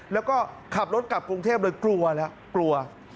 แล้วก็ขับรถกลับกรุงเทพฯเลยกลัว